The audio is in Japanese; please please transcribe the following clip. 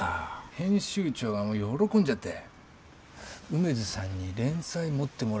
編集長がもう喜んじゃって梅津さんに連載持ってもらおうって言いだしたのよ。